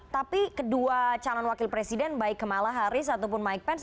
tapi kedua calon wakil presiden baik kamala harris ataupun mike pence